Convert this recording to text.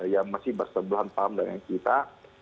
yang masih berseberangan dengan kita